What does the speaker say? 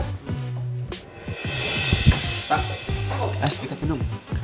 eh kita tidur